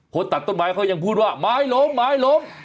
โครตตัดต้นไม้เขายังพูดว่าไม้หลง